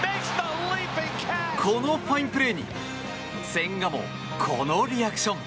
このファインプレーに千賀もこのリアクション。